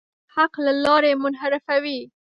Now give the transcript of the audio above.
توپک د حق له لارې منحرفوي.